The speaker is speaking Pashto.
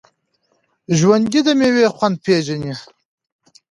ژوندي د میوې خوند پېژني